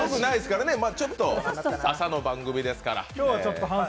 ちょっと朝の番組ですから。